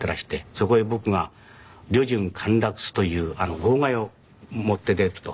そこへ僕が「旅順陥落す」という号外を持って出てくると。